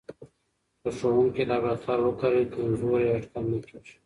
که ښوونکی لابراتوار وکاروي، کمزوری اټکل نه کېږي.